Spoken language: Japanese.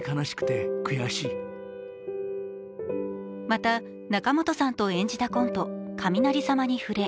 また、仲本さんと演じたコント「雷様」に触れ